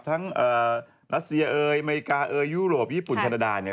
รัสเซียเอยอเมริกาเอยยุโรปญี่ปุ่นแคนาดา